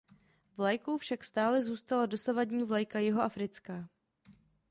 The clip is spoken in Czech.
Vlajkou však stále zůstala dosavadní vlajka jihoafrická.